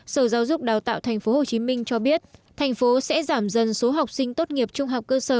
sở giáo dục đào tạo tp hcm cho biết thành phố sẽ giảm dần số học sinh tốt nghiệp trung học cơ sở